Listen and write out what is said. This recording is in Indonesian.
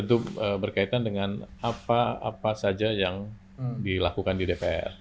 itu berkaitan dengan apa apa saja yang dilakukan di dpr